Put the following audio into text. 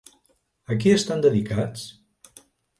A qui estan dedicats?